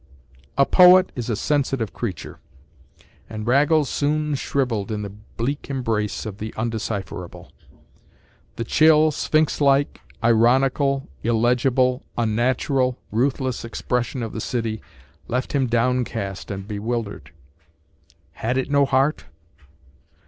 A poet is a sensitive creature, and Raggles soon shrivelled in the bleak embrace of the undecipherable. The chill, sphinx like, ironical, illegible, unnatural, ruthless expression of the city left him downcast and bewildered. Had it no heart?